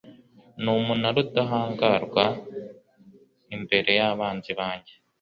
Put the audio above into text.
n’umunara udahangarwa imbere y’abanzi banjye